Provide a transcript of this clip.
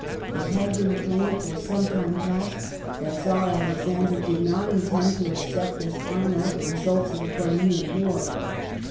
It had been plain, for some time past, that the Czar Alexander did not intend to accept as final the results of the Crimean War.